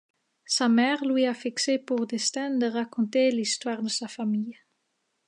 Sa mère lui a fixé pour destin de raconter l'histoire de sa famille.